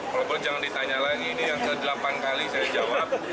kalau boleh jangan ditanya lagi ini yang ke delapan kali saya jawab